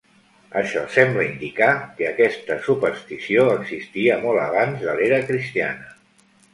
Això sembla indicar que aquesta superstició existia molt abans de l'era cristiana.